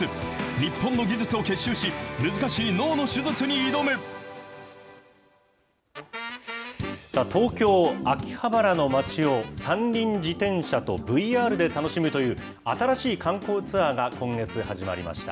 日本の技術を結集し、難しい脳のさあ、東京・秋葉原の街を三輪自転車とＶＲで楽しむという、新しい観光ツアーが今月、始まりました。